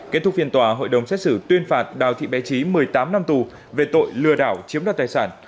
kết thúc phiên tòa hội đồng xét xử tuyên phạt đào thị bé trí một mươi tám năm tù về tội lừa đảo chiếm đoạt tài sản